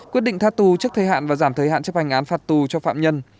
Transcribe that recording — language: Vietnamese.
quyết định tha tù trước thời hạn và giảm thời hạn chấp hành án phạt tù cho phạm nhân